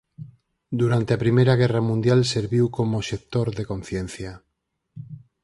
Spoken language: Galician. Durante a primeira guerra mundial serviu como obxector de conciencia.